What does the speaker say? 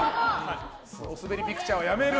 おすべりピクチャーはやめる。